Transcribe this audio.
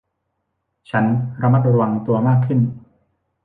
ฉันระมัดระวังตัวมากขึ้น